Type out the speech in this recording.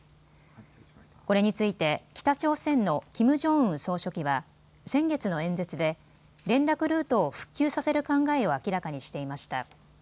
これについて北朝鮮のキム・ジョンウン総書記は先月の演説で連絡ルートを復旧させる考えを明らかにしていました。